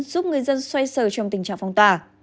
giúp người dân xoay sở trong tình trạng phong tỏa